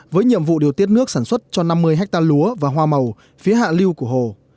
với nhiệm vụ điều tiết nước sản xuất cho năm mươi ha lúa và hoa màu phía hạ lưu của hồ